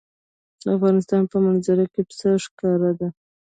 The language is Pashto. د افغانستان په منظره کې پسه ښکاره ده.